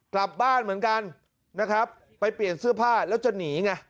กลับบ้านเหมือนกันนะครับไปเปลี่ยนเสื้อผ้าแล้วจะหนีไง